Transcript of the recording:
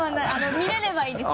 見れればいいです。